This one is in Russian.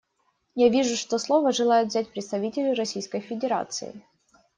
Я вижу, что слово желает взять представитель Российской Федерации.